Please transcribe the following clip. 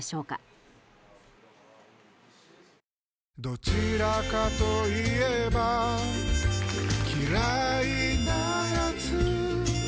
どちらかと言えば嫌いなやつ